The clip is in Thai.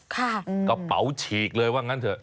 กระเป๋าฉีกเลยว่างั้นเถอะ